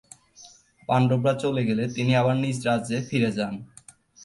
পাণ্ডবরা চলে গেলে তিনি আবার নিজ রাজ্যে ফিরে যান।